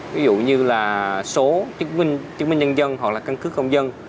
ví dụ như là số chứng minh nhân dân hoặc là căn cứ công dân